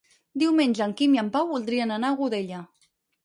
Diumenge en Quim i en Pau voldrien anar a Godella.